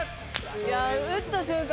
いや打った瞬間